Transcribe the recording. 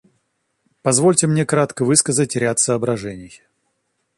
Позвольте мне кратко высказать ряд соображений.